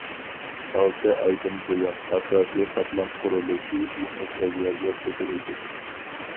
ئالتە ئايدىن بۇيان، ئاساسىي قاتلام قۇرۇلۇشى يېڭى سەۋىيەگە كۆتۈرۈلدى.